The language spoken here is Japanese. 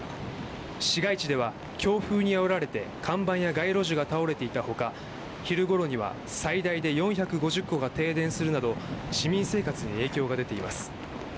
市街地では強風にあおられて看板や街路樹が倒れていた他昼ごろには最大で４５０戸が停電するなど市民生活に影響が出ています。